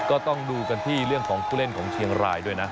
ก็ต้องดูกันที่เรื่องของผู้เล่นของเชียงรายด้วยนะ